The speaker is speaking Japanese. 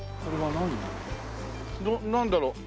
なんだろう？